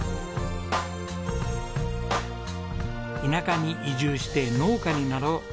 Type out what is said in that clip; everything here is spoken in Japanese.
「田舎に移住して農家になろう」。